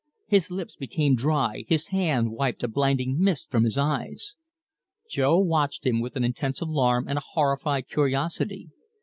His lips became dry, his hand wiped a blinding mist from his eyes. Jo watched him with an intense alarm and a horrified curiosity.